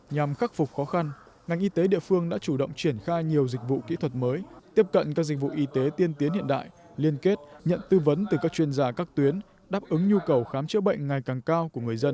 nhằm khắc phục khó khăn ngành y tế địa phương đã chủ động triển khai nhiều dịch vụ kỹ thuật mới tiếp cận các dịch vụ y tế tiên tiến hiện đại liên kết nhận tư vấn từ các chuyên gia các tuyến đáp ứng nhu cầu khám chữa bệnh ngày càng cao của người dân